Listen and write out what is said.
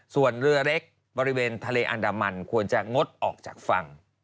ส่วนเรือเล็กบริเวณทะเลอันดามันควรจะงดออกจากฝั่ง